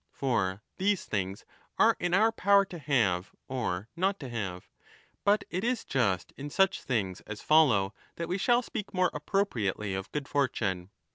For these things are in our power to have or not to have. But it is just in such things as follow that we shall speak more appropriately of good fortune.